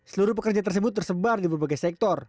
seluruh pekerja tersebut tersebar di berbagai sektor